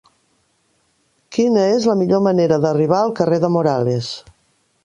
Quina és la millor manera d'arribar al carrer de Morales?